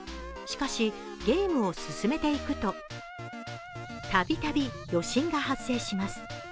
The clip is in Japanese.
しかし、ゲームを進めていくとたびたび余震が発生します。